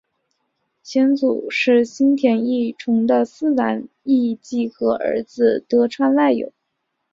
祖先是新田义重的四男义季和儿子得川赖有。